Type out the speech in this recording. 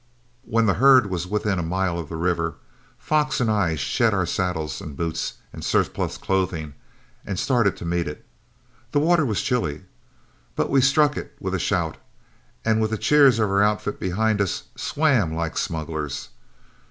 When the herd was within a mile of the river, Fox and I shed our saddles, boots, and surplus clothing and started to meet it. The water was chilly, but we struck it with a shout, and with the cheers of our outfit behind us, swam like smugglers.